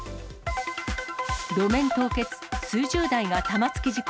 路面凍結、数十台が玉突き事故。